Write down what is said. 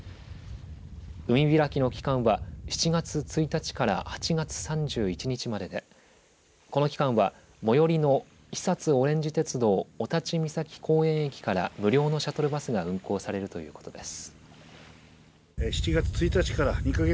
海開きの期間は７月１日から８月３１日までで、この期間は最寄りの肥薩おれんじ鉄道御立岬公園駅から無料のシャトルバスが運行されるということです。